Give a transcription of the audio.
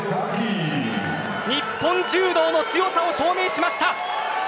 日本柔道の強さを証明しました。